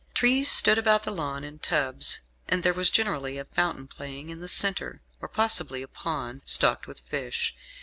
Trees stood about the lawn in tubs, and there was generally a fountain playing in the centre, or possibly a pond, stocked with fish.